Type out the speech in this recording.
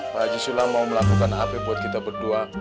pak haji sulam mau melakukan apa buat kita berdua